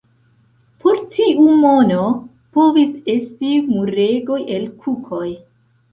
Por tiu mono povis esti muregoj el kukoj.